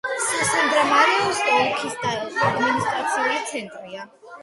სასანდრა-მარაუეს ოლქის ადმინისტრაციული ცენტრია.